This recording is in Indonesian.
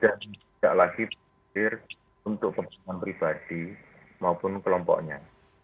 dan tidak lagi berpengalaman untuk perusahaan pribadi maupun kelompoknya